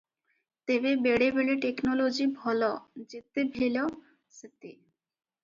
ତେବେ ବେଳେବେଳେ ଟେକନୋଲୋଜି ଭଲ ଯେତେ ଭେଲ ସେତେ ।